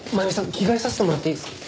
着替えさせてもらっていいですか？